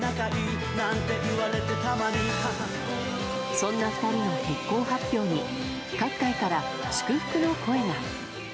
そんな２人の結婚発表に各界から祝福の声が。